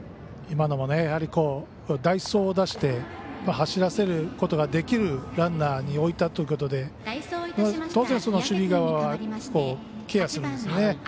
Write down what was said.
今のもやはり代走を出して走らせることができるランナーに置いたということで当然、守備側はケアするんですね。